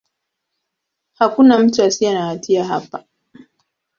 Hakuna mtu asiye na hatia hapa.